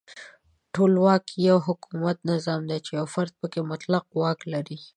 ټولواک یو حکومتي نظام دی چې یو فرد پکې مطلق واک لري.